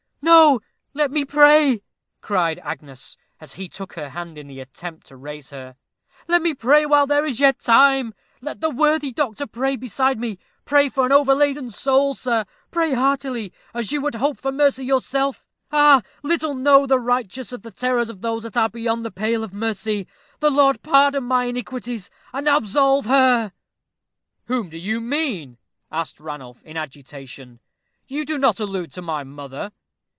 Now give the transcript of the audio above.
"No, let me pray," cried Agnes, as he took her hand in the attempt to raise her; "let me pray while there is yet time let the worthy doctor pray beside me. Pray for an overladen soul, sir; pray heartily, as you would hope for mercy yourself. Ah! little know the righteous of the terrors of those that are beyond the pale of mercy. The Lord pardon me my iniquities, and absolve her." "Whom do you mean?" asked Ranulph, in agitation. "You do not allude to my mother?"